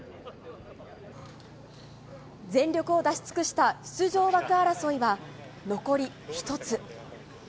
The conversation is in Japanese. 全力を出し尽くした出場枠争いは残り１つ。